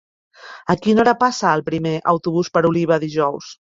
A quina hora passa el primer autobús per Oliva dijous?